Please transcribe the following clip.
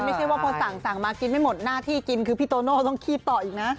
ไม่ใช่ว่าพอสั่งมากินไม่หมดหน้าที่กินคือพี่โตโน่ต้องคีบต่ออีกนะ